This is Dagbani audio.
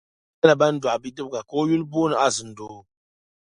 Bɛ daa nyɛla ban doɣi bidibiga ka o yuli booni Azindoo